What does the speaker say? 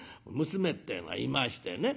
娘ってえのがいましてね